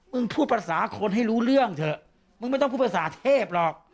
พูดภาษาคนให้รู้เรื่องเถอะมึงไม่ต้องพูดภาษาเทพหรอก